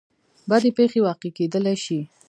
بدې پېښې واقع کېدلی شي.